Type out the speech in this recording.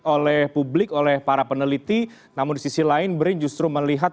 oleh publik oleh para peneliti namun di sisi lain brin justru melihat